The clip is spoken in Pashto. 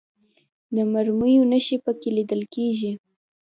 د مرمیو نښې په کې لیدل کېږي.